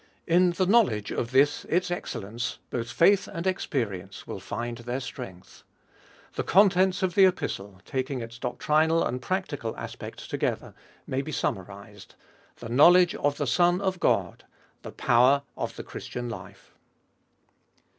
In the knowledge of this its excellence, both faith and experience will find their strength. The contents of the Epistle, taking its doctrinal and practical aspect together, may be summarised — the knowledge of the Son of God, the power of the Christian life.